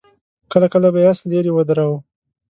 کله کله به يې آس ليرې ودراوه.